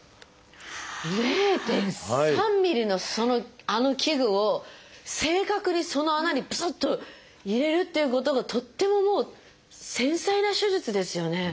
０．３ｍｍのあの器具を正確にその穴にプスッと入れるっていうことがとってももう繊細な手術ですよね。